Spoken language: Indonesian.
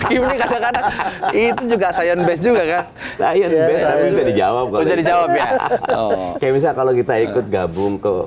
itu juga sayang bes juga ya saya bisa dijawab bisa dijawab ya kalau kita ikut gabung ke